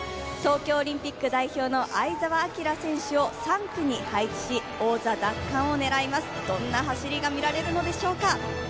東京オリンピック代表の相澤晃選手を３区に配置し、王座奪還を狙います、どんな走りが見られるのでしょうか？